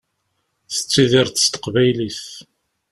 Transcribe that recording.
Tettidireḍ s teqbaylit.